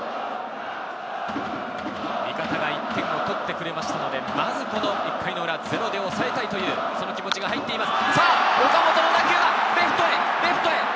味方が１点を取ってくれましたので、まずこの１回の裏、ゼロで抑えたいという気持ちが入っています。